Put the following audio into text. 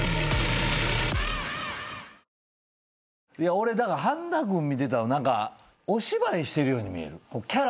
俺半田君見てたら何かお芝居してるように見える。